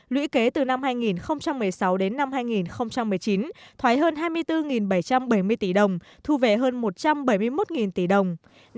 lũy kế từ năm hai nghìn một mươi sáu đến năm hai nghìn một mươi chín thoái hơn hai mươi bốn bảy trăm bảy mươi tỷ đồng thu về hơn một trăm bảy mươi một tỷ đồng